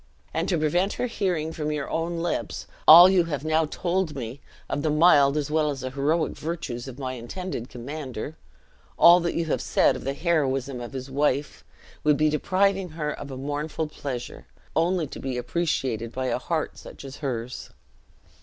And to prevent her hearing from your own lips all you have now told me of the mild as well as heroic virtues of my intended commander all you have said of the heroism of his wife would be depriving her of a mournful pleasure, only to be appreciated by a heart such as hers."